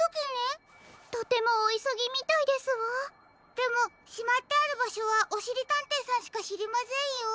でもしまってあるばしょはおしりたんていさんしかしりませんよ。